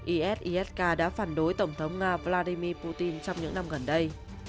is isk đã phản đối tổng thống nga vladimir putin trong những năm gần đây